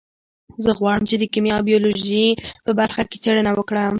زه غواړم چې د کیمیا او بیولوژي په برخه کې څیړنه وکړم